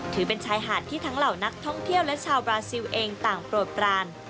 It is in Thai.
ถือเป็นชายหาดที่ทั้งเหล่านักท่องเที่ยวและชาวบราซิลเองต่างโปรดปราน